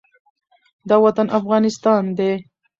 دا وطن افغانستان دی،